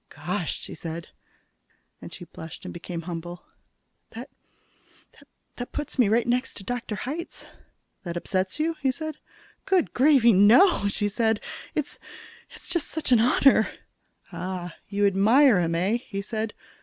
"Gosh " she said, and she blushed and became humble "that that puts me right next to Dr. Hitz." "That upsets you?" he said. "Good gravy, no!" she said. "It's it's just such an honor." "Ah, You... you admire him, eh?" he said.